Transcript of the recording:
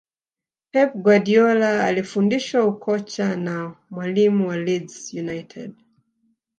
pep guardiola alifundishwa ukocha na mwalimu wa leeds united